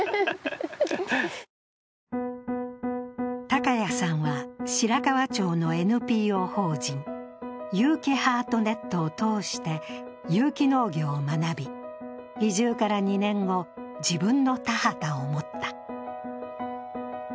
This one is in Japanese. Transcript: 高谷さんは白川町のＮＰＯ法人ゆうきハートネットを通して、有機農業を学び、移住から２年後、自分の田畑を持った。